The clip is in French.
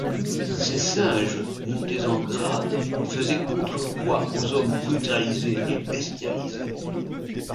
Ces singes montés en grade faisaient contrepoids aux hommes brutalisés et bestialisés.